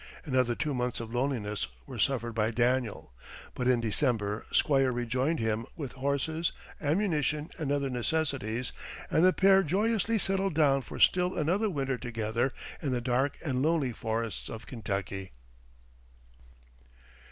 Another two months of loneliness were suffered by Daniel; but in December Squire rejoined him with horses, ammunition, and other necessaries, and the pair joyously settled down for still another winter together in the dark and lonely forests of Kentucky.